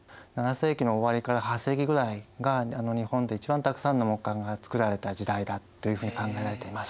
７世紀の終わりから８世紀ぐらいが日本で一番たくさんの木簡が作られた時代だっていうふうに考えられています。